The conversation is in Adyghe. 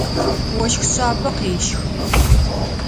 Ощх шъабэ къещхы.